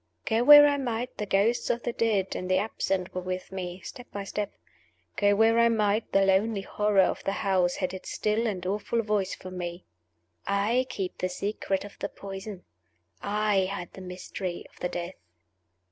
Go where I might, the ghosts of the dead and the absent were with me, step by step. Go where I might, the lonely horror of the house had its still and awful voice for Me: "I keep the secret of the Poison! I hide the mystery of the death!"